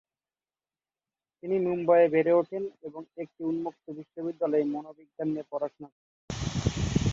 তিনি মুম্বাইয়ে বেড়ে উঠেন এবং একটি উন্মুক্ত বিশ্ববিদ্যালয়ে মনোবিজ্ঞান নিয়ে পড়াশোনা করছেন।